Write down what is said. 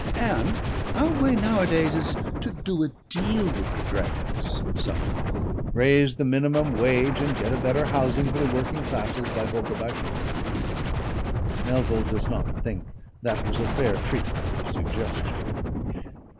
And our way nowadays is to do a deal with the dragons somehow, raise the minimum wage and get a better housing for the working classes by hook or by crook." Melville does not think that was a fair treatment of his suggestion.